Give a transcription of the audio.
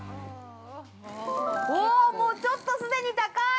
もう、ちょっと既に高い。